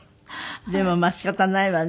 でもまあ仕方ないわね。